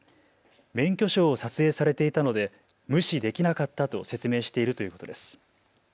免許証を撮影されていたので無視できなかったと説明しているということです。